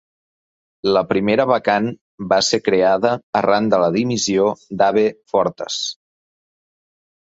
La primera vacant va ser creada arran de la dimissió d'Abe Fortas.